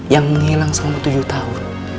yang menghilang sama tujuanmu